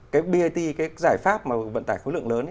cái bat cái giải pháp vận tải khối lượng lớn